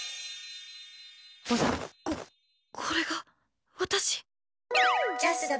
こ、これが私？